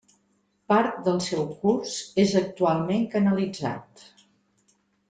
Part del seu curs és actualment canalitzat.